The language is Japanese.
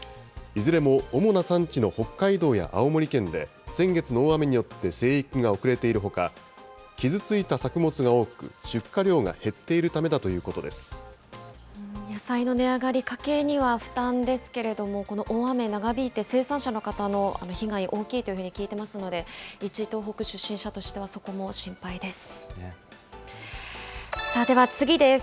いずれも主な産地の北海道や青森県で先月の大雨によって生育が遅れているほか、傷ついた作物が多く、出荷量が減っているためだと野菜の値上がり、家計には負担ですけれども、このおおあめながびいて生産者の方の被害、大きいというふうに聞いてますので、一東北出身者としてはそこも心配です。